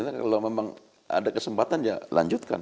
karena kalau memang ada kesempatan ya lanjutkan